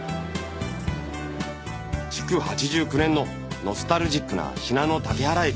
築８９年のノスタルジックな信濃竹原駅忘れてどうする？